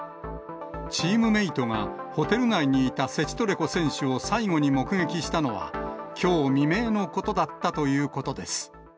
チームメートが、ホテル内にいたセチトレコ選手を最後に目撃したのはきょう未明のことだったということです。